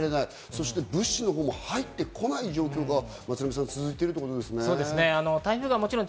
そして物資のほうも入ってこないという状況が続いているということですね。